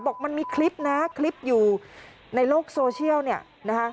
บอกมันมีคลิปนะคลิปอยู่ในโลกโซเชียล